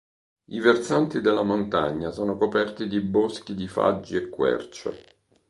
I versanti della montagna sono coperti di boschi di faggi e querce.